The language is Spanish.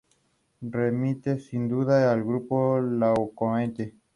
Actualmente corre para el equipo estadounidense amateur el First Internet Bank Cycling.